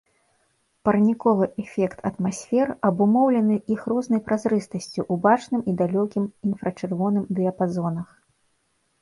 Парніковы эфект атмасфер абумоўлены іх рознай празрыстасцю ў бачным і далёкім інфрачырвоным дыяпазонах.